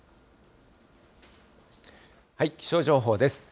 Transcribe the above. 気象情報です。